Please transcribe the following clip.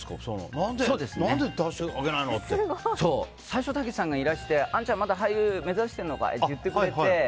最初はたけしさんがいらしてあんちゃん、まだ俳優目指してるのかい？って言ってくれて。